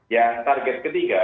yang target ketiga